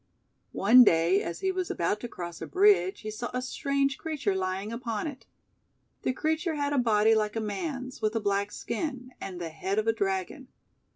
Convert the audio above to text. One day, as he was about to cross a bridge, he saw a strange creature lying upon it. The creature had a body like a man's, with a black skin, and the head of a Dragon.